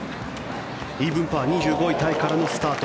イーブンパー、２５位タイからのスタート。